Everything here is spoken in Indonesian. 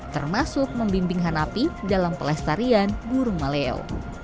termasuk membimbing hanapi dalam pelestarian burung maleo